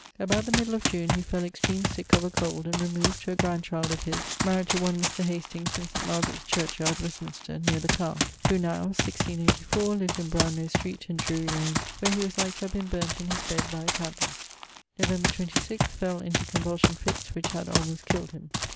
About the middle of June he fell extreme sick of a cold and removed to a grandchild of his maried to one Mr. Hastings in St. Margaret's Churchyard, Westminster, neer the tower, who now (1684) lives in Brownlow Street in Drury Lane, where he was like to have been burnt in his bed by a candle. Nov. 26, fell into convulsion fitts which had almost killed him.